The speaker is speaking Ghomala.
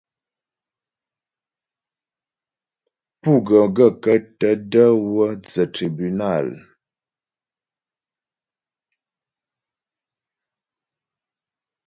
Pú ghə́ gaə̂kə́ tə də̀ wə́ dzə́ tribúnal ?